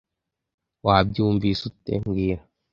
Wabyumvise ute mbwira